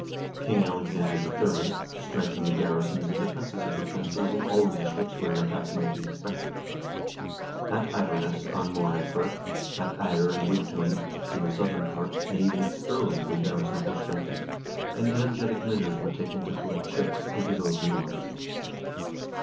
King Alexander III. strengthened the garrisons and defenses of the castles in all the dis tricts where an attack might be expected. At Iverness, on Moray Firth, at Ayr and Wigtoun, in the southern part, and even at Stirling the garrisons were strengthened, and energetic measures were taken to collect ships, and to build new ones.